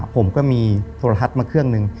ผมก็มีโทรทัศน์มาเครื่องหนึ่ง